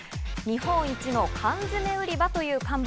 「日本一の缶詰売場！」という看板。